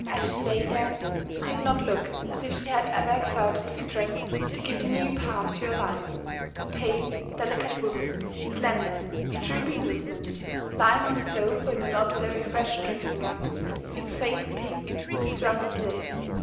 As she lay there, she did not look as if she had ever exerted the strength to give a new path to her life: a pale, delicate woman, slender, with drooping movements, lying on a sofa in her not very fresh dressing gown, with its faded pink and its rumpled lace.